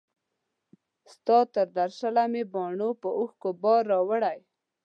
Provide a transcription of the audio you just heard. ستا تر درشله مي باڼو په اوښکو بار راوړی